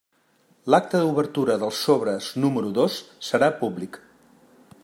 L'acte d'obertura dels sobres número dos serà públic.